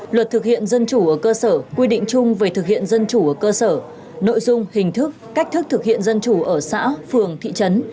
luật thực hiện dân chủ ở cơ sở quy định chung về thực hiện dân chủ ở cơ sở nội dung hình thức cách thức thực hiện dân chủ ở xã phường thị trấn